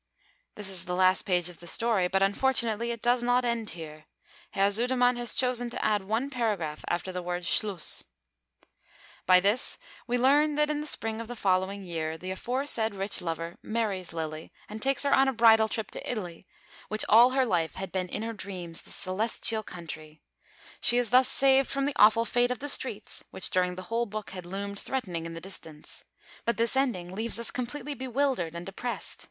This is the last page of the story, but unfortunately it does not end here. Herr Sudermann has chosen to add one paragraph after the word "Schluss." By this we learn that in the spring of the following year the aforesaid rich lover marries Lilly, and takes her on a bridal trip to Italy, which all her life had been in her dreams the celestial country. She is thus saved from the awful fate of the streets, which during the whole book had loomed threatening in the distance. But this ending leaves us completely bewildered and depressed.